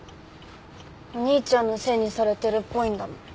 お兄ちゃんのせいにされてるっぽいんだもん。